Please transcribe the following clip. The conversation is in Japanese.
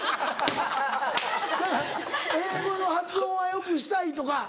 英語の発音は良くしたいとか。